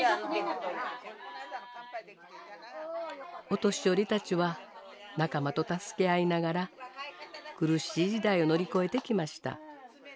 お年寄りたちは仲間と助け合いながら苦しい時代を乗り越えてきました。